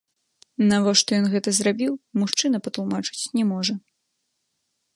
Навошта ён гэта зрабіў, мужчына патлумачыць не можа.